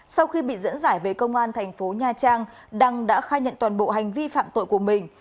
sau khi bị dẫn giải về công an thành phố nha trang đăng đã khai nhận toàn bộ hành vi phạm tội của mình